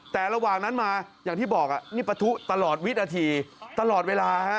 แต่ระหว่างนั้นมาอย่างที่บอกนี่ปะทุตลอดวินาทีตลอดเวลาฮะ